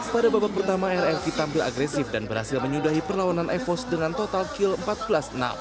pada babak pertama rrq tampil agresif dan berhasil menyudahi perlawanan evos dengan total kill empat belas enam